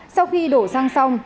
sau khi đổ xăng xong